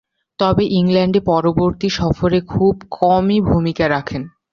তবে, ইংল্যান্ডে পরবর্তী সফরে খুব কমই ভূমিকা রাখেন।